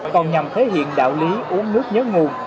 còn nhằm thể hiện đạo lý uống nước nhớ nguồn